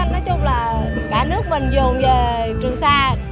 nói chung là cả nước mình dồn về trường sa